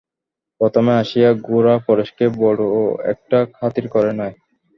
প্রথমে আসিয়া গোরা পরেশকে বড়ো একটা খাতির করে নাই।